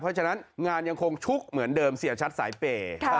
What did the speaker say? เพราะฉะนั้นงานยังคงชุกเหมือนเดิมเสียชัดสายเปย์